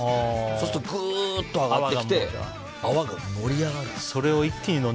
そうすると、ぐっと上がってきて泡が盛り上がるの。